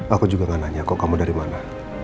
aku juga gak nanya kok kamu dari mana